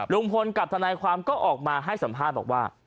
ลุงพลกับทนายความก็ออกมาให้สัมภาษณ์บอกว่า